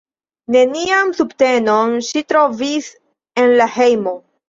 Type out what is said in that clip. Nenian subtenon ŝi trovis en la hejmo.